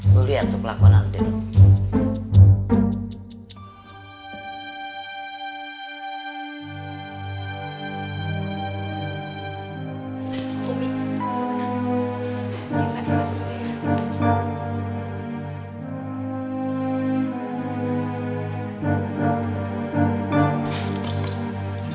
lo liat tuh pelakmana lo dia dong